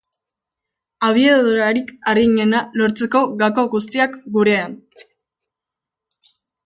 Abiadurarik arinena lortzeko gako guztiak, gurean!